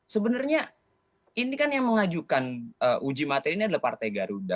sebenarnya ini kan yang mengajukan uji materi ini adalah partai garuda